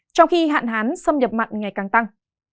trong khi hạn hán xâm nhập mặn ngày càng tăng